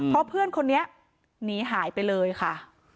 เพราะเพื่อนคนนี้หนีหายไปเลยค่ะ